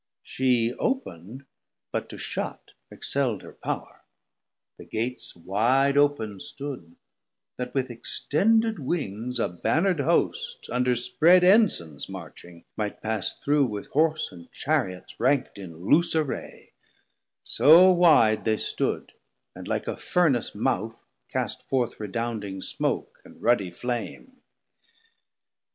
She op'nd, but to shut Excel'd her power; the Gates wide op'n stood, That with extended wings a Bannerd Host Under spread Ensigns marching might pass through With Horse and Chariots rankt in loose array; So wide they stood, and like a Furnace mouth Cast forth redounding smoak and ruddy flame.